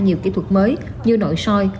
nhiều kỹ thuật mới như nội soi